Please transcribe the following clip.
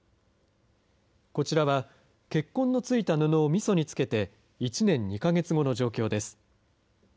こちらは、血痕のついた布をみそに漬けて、１年２か月後の状況です。